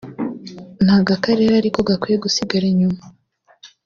ntabwo Akarere ariko gakwiye gusigara inyuma